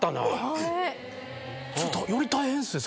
ちょっとより大変っすね